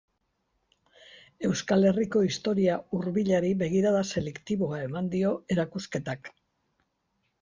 Euskal Herriko historia hurbilari begirada selektiboa eman dio erakusketak.